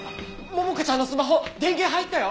桃香ちゃんのスマホ電源入ったよ！